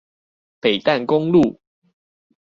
北淡公路